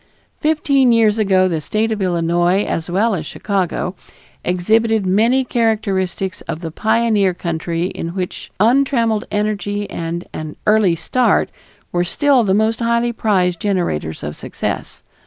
Fifteen years ago the State of Illinois, as well as Chicago, exhibited many characteristics of the pioneer country in which untrammeled energy and an "early start" were still the most highly prized generators of success.